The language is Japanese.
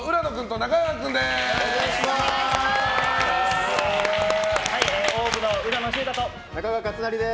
中川勝就です。